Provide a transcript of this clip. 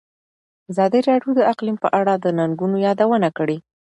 ازادي راډیو د اقلیم په اړه د ننګونو یادونه کړې.